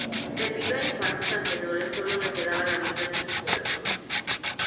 Debido a infartos anteriores solo le quedaba la mitad de su corazón.